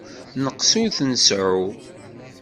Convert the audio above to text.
Nneqs ur t-nseεεu.